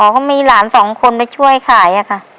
อ๋อก็มีหลานสองคนไปช่วยขายอะค่ะ